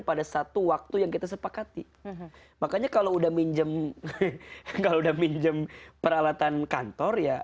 pada satu waktu yang kita sepakati makanya kalau udah minjem kalau udah minjem peralatan kantor ya